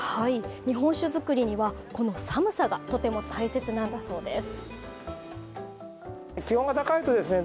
日本酒作りにはこの寒さがとても大切なんだそうです。